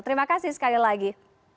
terima kasih sekali lagi